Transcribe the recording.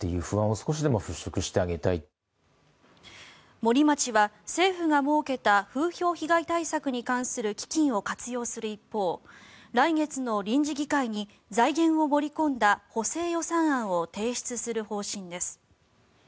森町は政府が設けた風評被害対策に関する基金を活用する一方来月の臨時議会に財源を盛り込んだ補正予算案を提出する方針です。